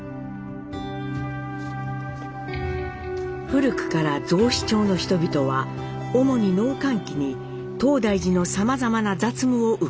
古くから雑司町の人々は主に農閑期に東大寺のさまざまな雑務を請け負ってきました。